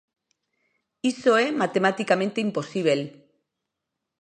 Iso é matematicamente imposíbel.